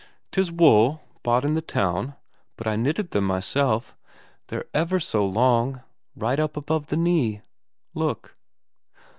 "'Tis wool was bought in the town, but I knitted them myself. They're ever so long right up above the knee look...."